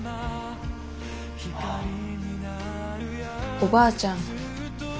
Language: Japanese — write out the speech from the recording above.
おばあちゃん